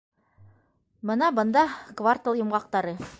- Бына бында квартал йомғаҡтары.